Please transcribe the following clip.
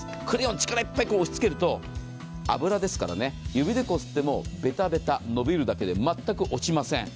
力いっぱい押しつけると、油ですからね、指でこすってもベタベタ伸びるだけで全く落ちません。